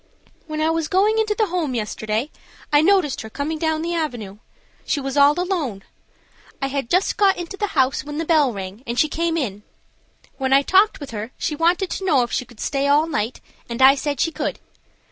"When I was going into the home yesterday I noticed her coming down the avenue. She was all alone. I had just got into the house when the bell rang and she came in. When I talked with her she wanted to know if she could stay all night, and I said she could.